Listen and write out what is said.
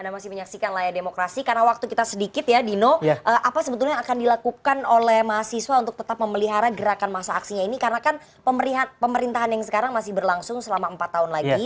ada lagi yang akan dilakukan oleh kext nella demokrati karena waktu kita sedikit ya dino apa sebetulnya yang akan dilakukan oleh mahasiswa untuk tetap memelihara gerakan masa aksinya ini karena kan pemerintahan yang sekarang masih berlangsung selama empat tahun lagi